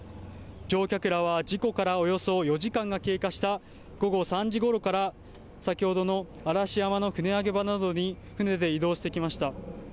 乗客らは、事故からおよそ４時間が経過した午後３時ごろから、先ほどの嵐山の船あげ場などに船で移動してきました。